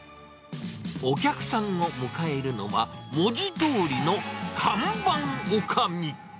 お客さんを迎えるのは、文字どおりの看板おかみ。